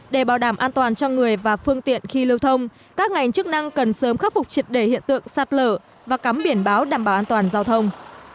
để bảo đảm an toàn cho người và phương tiện khi lưu thông các ngành chức năng cần sớm khắc phục triệt đề hiện tượng sạt lở và cắm biển báo đảm bảo an toàn giao thông